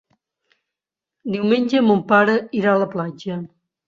Diumenge mon pare irà a la platja.